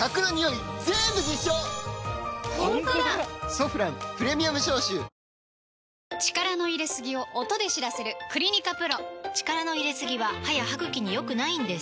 「ソフランプレミアム消臭」力の入れすぎを音で知らせる「クリニカＰＲＯ」力の入れすぎは歯や歯ぐきに良くないんです